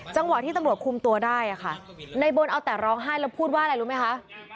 จังหวะที่ตำรวจคุมตัวได้ค่ะในบนเอาแต่ร้องไห้แล้วพูดว่าอะไรรู้ไหมคะ